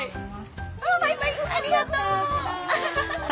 あっバイバイありがと。